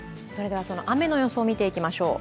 その雨の予想を見ていきましょう。